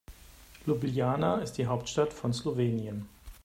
Ljubljana ist die Hauptstadt von Slowenien.